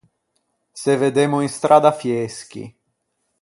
Se veddemmo in stradda Fieschi.